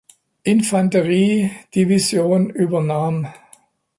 Infanteriedivision übernahm.